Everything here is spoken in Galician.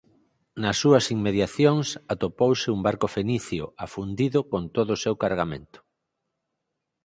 Nas súas inmediacións atopouse un barco fenicio afundido con todo o seu cargamento.